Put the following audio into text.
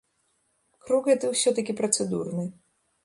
Крок гэты ўсё-ткі працэдурны.